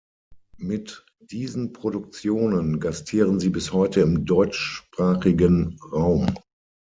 Mit diesen Produktionen gastieren sie bis heute im deutschsprachigen Raum.